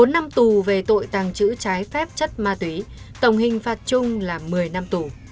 bốn năm tù về tội tàng trữ trái phép chất ma túy tổng hình phạt chung là một mươi năm tù